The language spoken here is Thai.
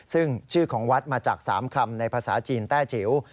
ซึ่งชื่อของวัดมาจาก๓คำในภาษาจีนแต้จิ๋ว